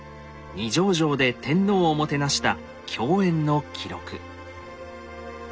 二条城で天皇をもてなした供宴の記録。